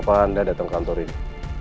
ada urusan apa anda datang kantor ini